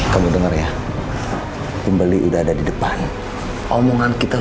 kamu dengar ya pembeli udah ada di depan omongan kita